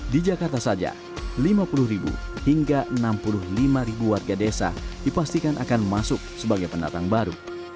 di jakarta saja lima puluh hingga enam puluh lima warga desa dipastikan akan masuk sebagai pendatang baru